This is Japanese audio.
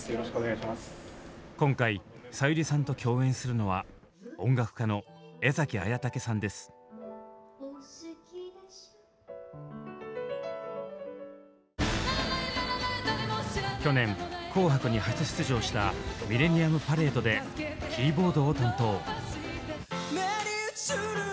今回さゆりさんと共演するのは去年「紅白」に初出場したｍｉｌｌｅｎｎｉｕｍｐａｒａｄｅでキーボードを担当。